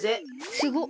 すごっ！